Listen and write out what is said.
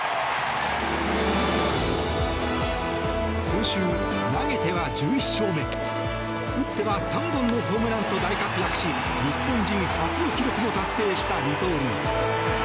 今週、投げては１１勝目打っては３本のホームランと大活躍し、日本人初の記録も達成した二刀流。